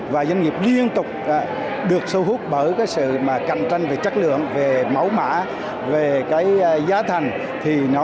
và doanh nghiệp liên tục được sâu hút bởi sự cạnh tranh về chất lượng về mẫu mã về giá thành thì nó